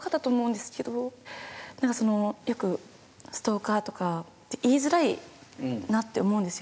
何かそのよくストーカーとかって言いづらいなって思うんですよ